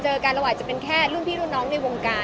เจอกันเราอาจจะเป็นแค่รุ่นพี่รุ่นน้องใน